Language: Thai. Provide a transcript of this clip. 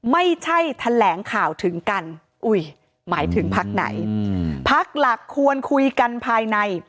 ไม่ใช่แถลงข่าวถึงกันอุ้ยหมายถึงพักไหนพักหลักควรคุยกันภายใน